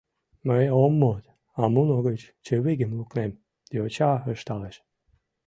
— Мый ом мод, а муно гыч чывигым лукнем, — йоча ышталеш.